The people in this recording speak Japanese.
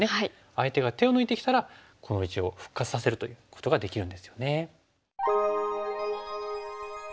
相手が手を抜いてきたらこの石を復活させるということができるんですよね。